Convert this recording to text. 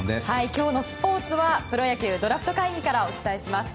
今日のスポーツはプロ野球ドラフト会議からお伝えします。